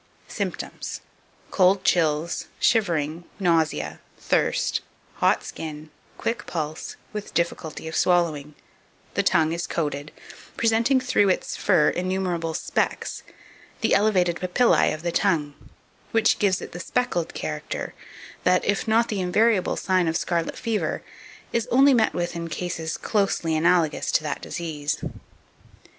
2561. Symptoms. Cold chills, shivering, nausea, thirst, hot skin, quick pulse, with difficulty of swallowing; the tongue is coated, presenting through its fur innumerable specks, the elevated papillae of the tongue, which gives it the speckled character, that, if not the invariable sign of scarlet fever, is only met with in cases closely analogous to that disease.